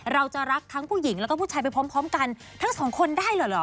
เราจะรักทั้งผู้หญิงแล้วก็ผู้ชายไปพร้อมกันทั้งสองคนได้เหรอ